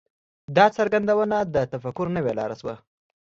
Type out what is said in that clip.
دا څرګندونه د تفکر نوې لاره شوه.